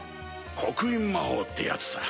刻印魔法ってやつさ。